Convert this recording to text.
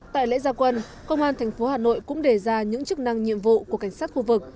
tại lễ gia quân công an thành phố hà nội cũng đề ra những chức năng nhiệm vụ của cảnh sát khu vực